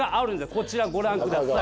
こちらご覧ください